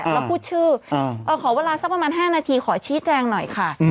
แล้วพูดชื่อขอเวลาสักประมาณ๕นาทีขอชี้แจงหน่อยค่ะ